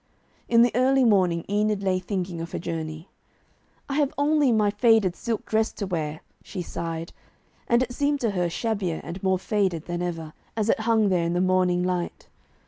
In the early morning, Enid lay thinking of her journey. 'I have only my faded silk dress to wear,' she sighed, and it seemed to her shabbier and more faded than ever, as it hung there in the morning light.